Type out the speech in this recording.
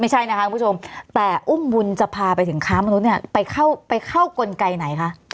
ไม่ใช่นะคะคุณผู้ชมแต่อุ้มบุญจะพาไปถึงค้ามนุษย์เนี่ยไปเข้ากลไกไหนคะ